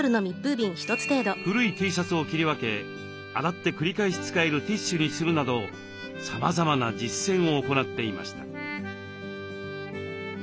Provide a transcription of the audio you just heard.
古いＴシャツを切り分け洗って繰り返し使えるティッシュにするなどさまざまな実践を行っていました。